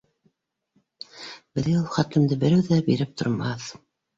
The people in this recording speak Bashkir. Беҙгә ул хәтлемде берәү ҙә биреп тормаҫ.